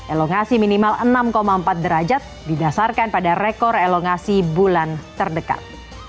elongasi minimal enam empat derajat didasarkan pada rekor elongasi bulan terdekat